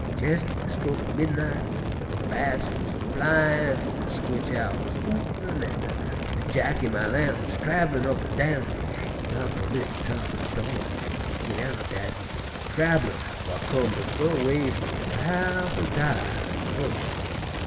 Jes' at de stroke er midnight, w'en de bats wuz a flyin' an' de squinch owls hootin' an' de jacky my lanturns trabellin' up an' down, he knock on Mistah Tarr'pin's do' an' gin out dat he wuz a trabeller whar comed a fur ways an' wuz pow'ful tired an' hongry.